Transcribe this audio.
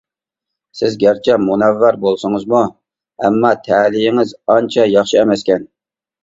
سىز گەرچە مۇنەۋۋەر بولسىڭىزمۇ، ئەمما تەلىيىڭىز ئانچە ياخشى ئەمەسكەن.